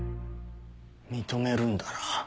認めるんだな？